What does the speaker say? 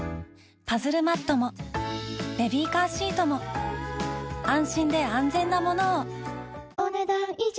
パズルマットもベビーカーシートも安心で安全なものをお、ねだん以上。